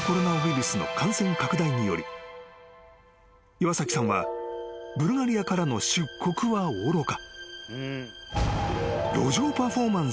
［岩崎さんはブルガリアからの出国はおろか］